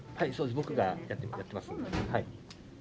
僕がやってます。